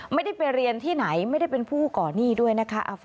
ไม่ได้ไปเรียนที่ไหนไม่ได้เป็นผู้ก่อนหนี้ด้วยนะคะ